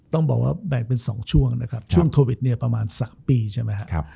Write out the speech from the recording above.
ต้องบอกว่าแบ่งเป็น๒ช่วงนะครับช่วงโควิดเนี่ยประมาณ๓ปีใช่ไหมครับ